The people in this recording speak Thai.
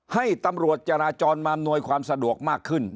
ให้ตำรวจจราจรมาอำนวยความสะดวกมากขึ้น